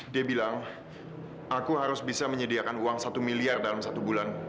dia bilang aku harus bisa menyediakan uang satu miliar dalam satu bulan